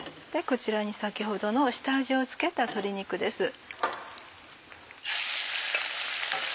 こちらに先ほどの下味を付けた鶏肉です。